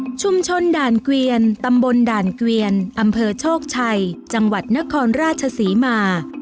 ชุมชนด่านเกวียนตำบลด่านเกวียนอำเภอโชคชัยจังหวัดนครราชศรีมา